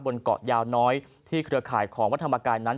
บนเกาะยาวน้อยที่เครือข่ายของวัฒนธรรมกายนั้น